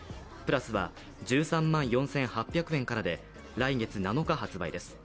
Ｐｌｕｓは１３万４８００円からで、来月７日発売です。